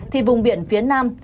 thì vùng biển phía nam